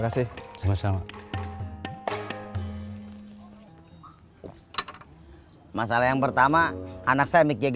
kamu mau ngelain masa itu